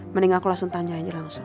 mending aku langsung tanya aja langsung